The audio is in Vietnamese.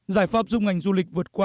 giải pháp giúp ngành du lịch vượt qua